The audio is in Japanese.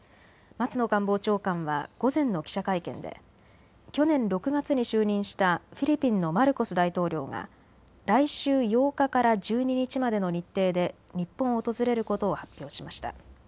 松野官房長官は午前の記者会見で去年６月に就任したフィリピンのマルコス大統領が来週８日から１２日までの日程で日本を訪れることを発表しました。